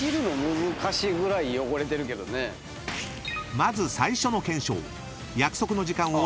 ［まず最初の検証］